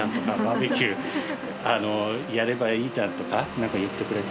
バーベキューやればいいじゃんとか言ってくれて。